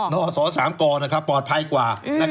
อศ๓กปลอดภัยกว่า